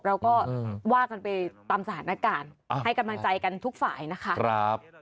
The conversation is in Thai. เราก็ว่ากันไปตามสถานการณ์ให้กำลังใจกันทุกฝ่ายนะคะ